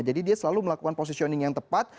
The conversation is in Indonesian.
jadi dia selalu melakukan positioning yang tepat